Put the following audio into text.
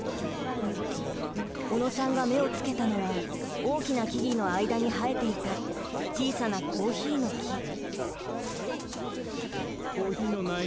小野さんが目をつけたのは大きな木々の間に生えていた小さなコーヒーの木。